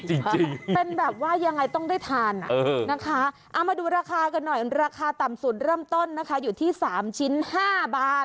จริงเป็นแบบว่ายังไงต้องได้ทานนะคะเอามาดูราคากันหน่อยราคาต่ำสุดเริ่มต้นนะคะอยู่ที่๓ชิ้น๕บาท